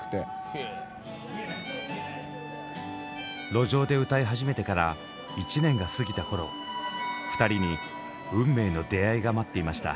路上で歌い始めてから１年が過ぎた頃２人に運命の出会いが待っていました。